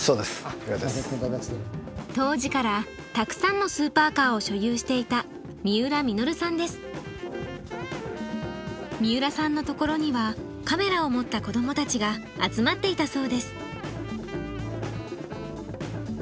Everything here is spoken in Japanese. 当時からたくさんのスーパーカーを所有していた三浦さんのところにはカメラを持った子どもたちが集まっていたそうです。